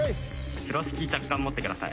風呂敷若干持ってください。